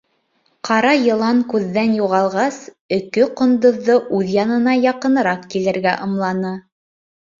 Ҡара йылан күҙҙән юғалғас, өкө ҡондоҙҙо үҙ янына яҡыныраҡ килергә ымланы.